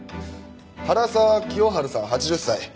原沢清春さん８０歳。